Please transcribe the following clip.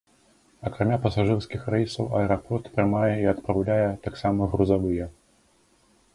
Акрамя пасажырскіх рэйсаў аэрапорт прымае і адпраўляе таксама грузавыя.